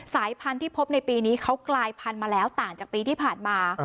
สายพันธุ์ที่พบในปีนี้เขากลายพันธุ์มาแล้วต่างจากปีที่ผ่านมา